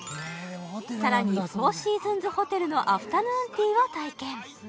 さらにフォーシーズンズホテルのアフタヌーンティーを体験